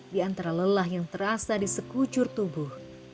di antara lelah yang terasa di sekucur tubuh